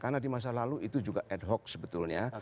karena di masa lalu itu juga ad hoc sebetulnya